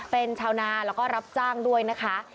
เป็นชาวนาแล้วก็รับจ้างด้วยนะคะ